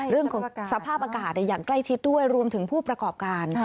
เรื่องของสภาพอากาศอย่างใกล้ชิดด้วยรวมถึงผู้ประกอบการ